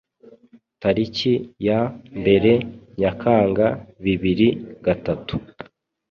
tariki ya mbere Nyakanga bibiri gatatu